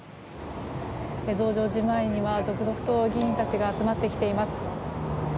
増上寺前には続々と議員たちが集まってきています。